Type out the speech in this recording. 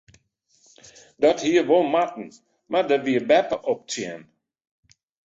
Dat hie wol moatten mar dêr wie beppe op tsjin.